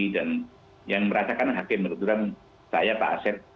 dan yang merasakan hakim menurut saya pak aset